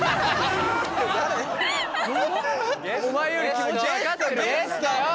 お前より気持ち分かってるよ。